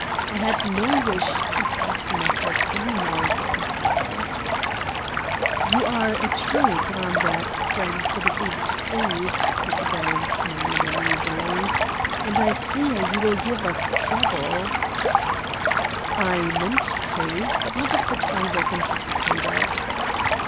I had no wish to press matters any more, therefore. "You are a true Gramberg, Prince, it is easy to see," said the baron, smiling uneasily. "And I fear you will give us trouble." I meant to, but not of the kind as anticipated.